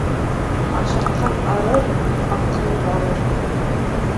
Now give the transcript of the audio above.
Ашыҡҡан арыр, аҡрын барыр.